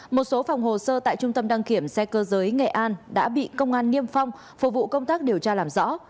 một số phòng hồ sơ tại trung tâm đăng kiểm xe cơ giới nghệ an đã bị công an niêm phong phục vụ công tác điều tra làm rõ